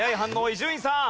伊集院さん。